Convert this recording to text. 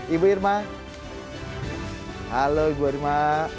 ibu irma halo ibu irma